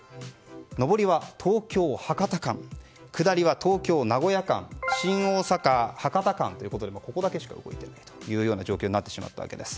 上りは東京博多間下りは東京名古屋間新大阪博多間ということでここだけしか動いていない状況になってしまったわけです。